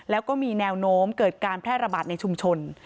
แล้วก็มีแนวโน้มเกิดการแพร่ระบาดในชุมชน